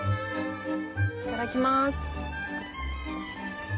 いただきます。